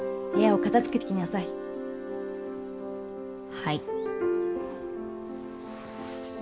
はい。